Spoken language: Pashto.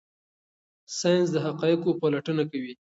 ساینس د حقایقو پلټنه کوي.